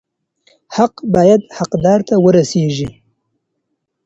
حق بايد حقدار ته ورسيږي.